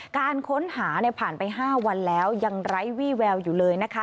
การค้นหาผ่านไป๕วันแล้วยังไร้วี่แววอยู่เลยนะคะ